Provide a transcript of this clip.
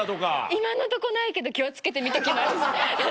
今のとこないけど気を付けて見ときます。